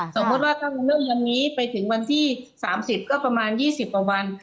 สมมุติว่าถ้าเป็นเรื่องอย่างนี้ไปถึงวันที่๓๐ก็ประมาณ๒๐ประวัน